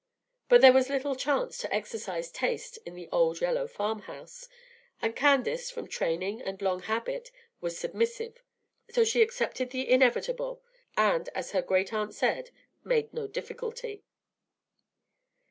But there was little chance to exercise taste in the old yellow farm house, and Candace, from training and long habit, was submissive; so she accepted the inevitable, and, as her great aunt said, "made no difficulty."